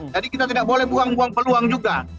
jadi kita tidak boleh buang buang peluang juga